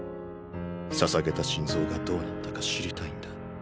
捧げた心臓がどうなったか知りたいんだ。